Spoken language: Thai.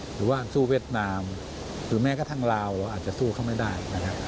หรือว่าสู้เวียดนามหรือแม้กระทั่งลาวอาจจะสู้เขาไม่ได้นะครับ